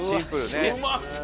うまそう。